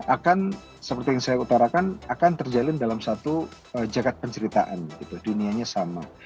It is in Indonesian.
akan seperti yang saya utarakan akan terjalin dalam satu jagad penceritaan dunianya sama